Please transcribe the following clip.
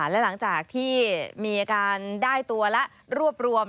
และหลังจากที่มีอาการได้ตัวและรวบรวม